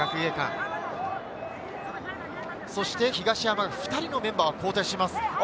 東山、２人のメンバーが交代します。